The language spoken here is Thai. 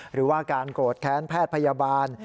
หรือว่าการโกรธแค้นแพทย์พยาบาล